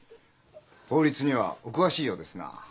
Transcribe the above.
法律にはお詳しいようですな。